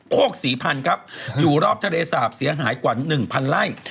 กศรีพันธุ์ครับอยู่รอบทะเลสาบเสียหายกว่า๑๐๐ไร่